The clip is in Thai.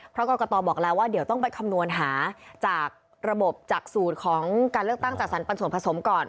เพราะกรกตบอกแล้วว่าเดี๋ยวต้องไปคำนวณหาจากระบบจากสูตรของการเลือกตั้งจัดสรรปันส่วนผสมก่อน